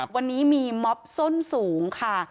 วันนี้มีม็อบส้นสูงค่ะ